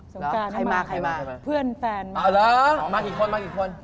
สงการเขามาค่ะเพื่อนแฟนมากี่คน